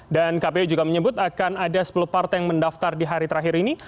dan kpu juga menyebut akan ada sepuluh partai yang mendaftar di hari terakhir ini